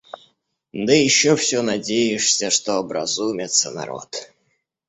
Да еще всё надеешься, что образумится народ.